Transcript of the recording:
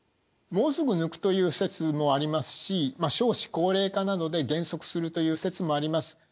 もうすぐ抜くという説もありますし少子高齢化などで減速するという説もあります。